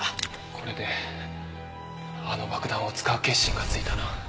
これであの爆弾を使う決心がついたな。